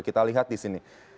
kita lihat di sini